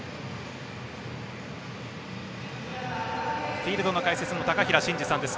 フィールドの解説の高平慎士さんです。